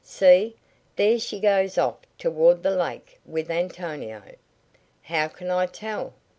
See, there she goes off toward the lake with Antonio." "How can I tell?"